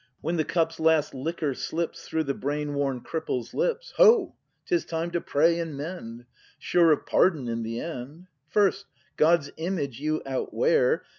When the cup's last liquor slips Through the brain worn cripple's lips. Ho! 'tis time to pray and mend, Sure of pardon in the end. First God's image you outwear.